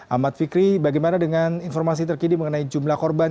ahmad fikri bagaimana dengan informasi terkini mengenai jumlah korban